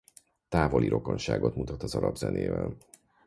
Távoli rokonságot mutat az arab zenével.